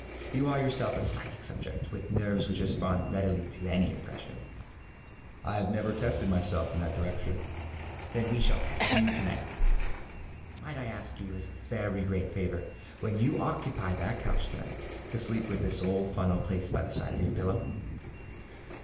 You are yourself a psychic subjectŌĆöwith nerves which respond readily to any impression. ŌĆØ ŌĆ£I have never tested myself in that direction. ŌĆØ ŌĆ£Then we shall test you to night. Might I ask you as a very great favour, when you occupy that couch to night, to sleep with this old funnel placed by the side of your pillow?